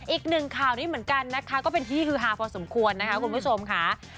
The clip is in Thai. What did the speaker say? อีกหนึ่งข่าวนี้เหมือนกันนะคะก็เป็นที่ฮือฮาพอสมควรนะคะคุณผู้ชมค่ะ